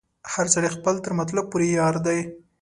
هر سړی خپل تر مطلب پوري یار دی